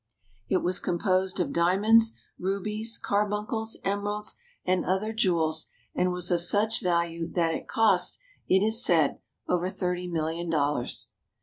It was composed of diamonds, rubies, carbuncles, emeralds, and other jewels and was of such value that it cost, it is said, over thirty million dollars.